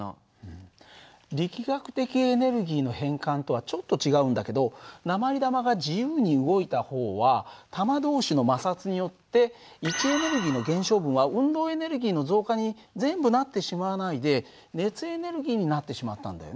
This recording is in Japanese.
力学的エネルギーの変換とはちょっと違うんだけど鉛玉が自由に動いた方は玉同士の摩擦によって位置エネルギーの減少分は運動エネルギーの増加に全部なってしまわないで熱エネルギーになってしまったんだよね。